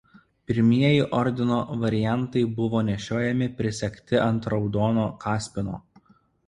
Pirmieji ordino variantai buvo nešiojami prisegti ant raudono kaspino.